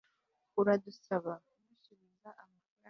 uradusaba kugusubiza amafaranga